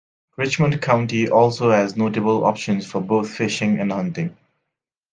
Richmond County also has notable options for both fishing and hunting.